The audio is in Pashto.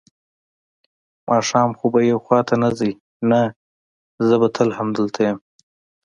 ماښام خو به یو خوا ته نه ځې؟ نه، زه به تل همدلته یم.